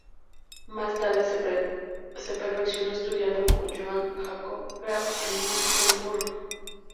Más tarde se perfeccionó estudiando con Johann Jacob Graf en Merseburg.